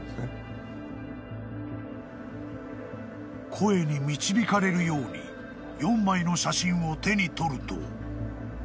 ［声に導かれるように４枚の写真を手に取ると］